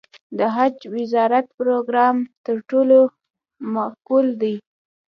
د حج وزارت پروګرام تر ټولو معقول دی.